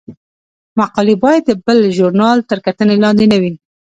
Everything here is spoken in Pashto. مقالې باید د بل ژورنال تر کتنې لاندې نه وي.